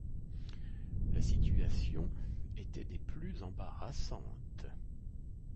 La situation était des plus embarrassantes.